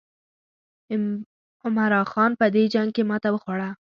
عمرا خان په دې جنګ کې ماته وخوړه.